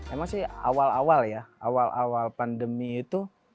emang sih awal awal ya awal awal pandemi itu